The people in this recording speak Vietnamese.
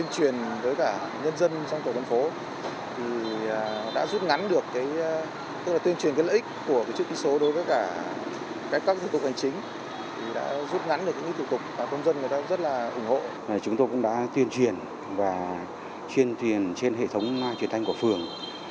chúng tôi cũng đã tuyên truyền và chuyên truyền trên hệ thống truyền thanh của phường